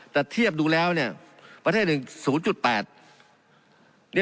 แต่เทียบดูแล้วประเทศหนึ่ง๐๘